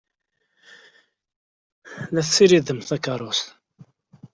La tessiridemt takeṛṛust.